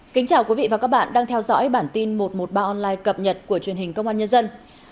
chào mừng quý vị đến với bản tin một trăm một mươi ba online cập nhật của truyền hình công an nhân dân